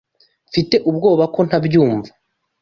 Mfite ubwoba ko ntabyumva.